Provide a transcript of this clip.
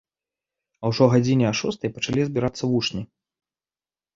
А ўжо гадзіне а шостай пачалі збірацца вучні.